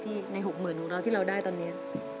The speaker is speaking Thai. พี่ใน๖หมื่นลูกเราที่เราได้ตอนนี้